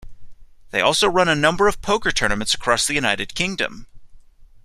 They also run a number of poker tournaments across the United Kingdom.